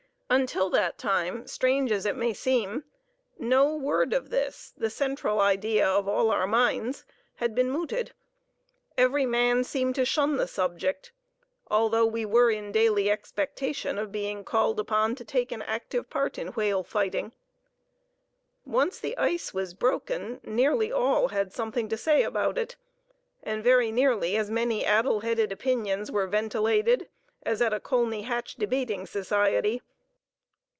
Until that time, strange as it may seem, no word of this, the central idea of all our minds, had been mooted. Every man seemed to shun the subject, although we were in daily expectation of being called upon to take an active part in whale fighting. Once the ice was broken, nearly all had something to say about it, and very nearly as many addle headed opinions were ventilated as at a Colney Hatch debating society.